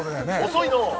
遅いのう！